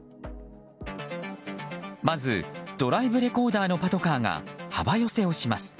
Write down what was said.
まずドライブレコーダーのパトカーが幅寄せをします。